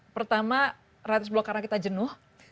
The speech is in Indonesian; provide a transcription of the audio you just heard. pertama ratus block karena kita jenuh